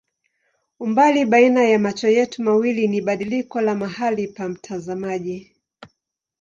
Umbali baina ya macho yetu mawili ni badiliko la mahali pa mtazamaji.